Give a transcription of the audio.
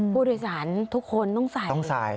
ผู้โดยสารทุกคนต้องใส่